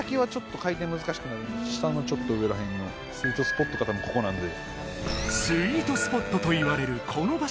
下のちょっと上ら辺のスイートスポットここなんで。